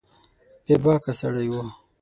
بې باکه سړی و